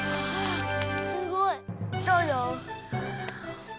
すごい！